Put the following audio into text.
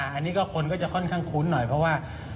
อันนี้ก็คนก็จะค่อนข้างคุ้นหน่อยเพราะว่า